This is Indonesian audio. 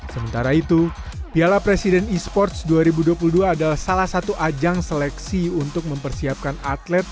sementara itu piala presiden e sports dua ribu dua puluh dua adalah salah satu ajang seleksi untuk mempersiapkan atlet